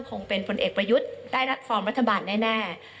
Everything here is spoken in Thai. คงเป็นผลเอกประยุทธ์ได้รักฟอร์มรัฐบาลแน่